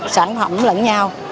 sản phẩm lẫn nhau